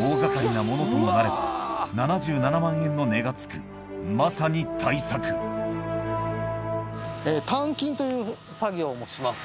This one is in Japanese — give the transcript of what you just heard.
大掛かりなものともなれば７７万円の値が付くまさに大作鍛金という作業もします。